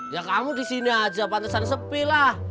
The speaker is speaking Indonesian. ya kamu di sini aja pantasan sepi lah